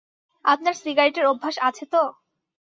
আপনার সিগারেটের অভ্যাস আছে তো?